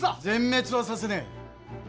全滅はさせねえ！